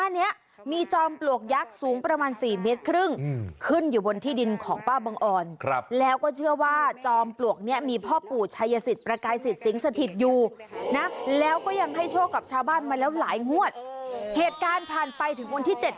เนี่ยที่มาที่การ้องกาเนี่ยคือบอกว่าร้องกาละเกด